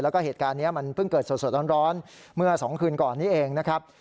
แล้วก็เหตุการณ์นี้มันเพิ่งเกิดสดร้อนเมื่อ๒คืนก่อนนี้เองนะครับ